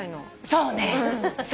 そうね！